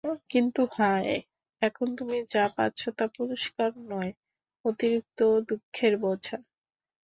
কিন্তু হায়! এখন তুমি যা পাচ্ছ তা পুরস্কার নয়, অতিরিক্ত দুঃখের বোঝা।